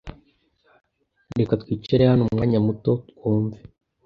Reka twicare hano umwanya muto twumve.